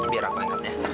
biar aku angkat ya